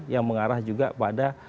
yang mengarah juga pada